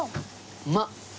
うまっ！